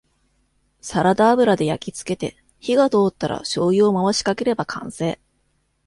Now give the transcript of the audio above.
サラダ油で焼きつけて火が通ったらしょうゆを回しかければ完成